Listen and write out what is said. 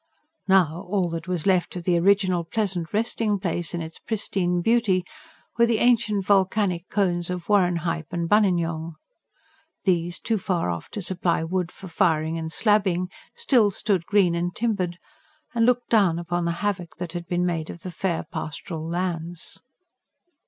Now, all that was left of the original "pleasant resting place" and its pristine beauty were the ancient volcanic cones of Warrenheip and Buninyong. These, too far off to supply wood for firing or slabbing, still stood green and timbered, and looked down upon the havoc that had been made of the fair, pastoral lands.